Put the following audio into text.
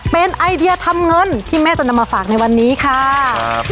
เป็นไอเดียทำเงินที่แม่จะนำมาฝากในวันนี้ค่ะ